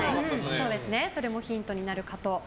それもヒントになるかと。